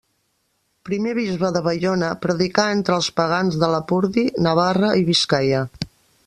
Primer bisbe de Baiona, predicà entre els pagans de Lapurdi, Navarra i Biscaia.